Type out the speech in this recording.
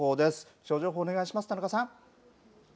気象情報お願いします田中さん。